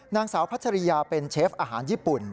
นางสาวพัชริยาเป็นเชฟอาหารญี่ปุ่น